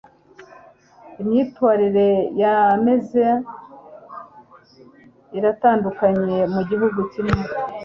Imyitwarire yameza iratandukanye mugihugu kimwe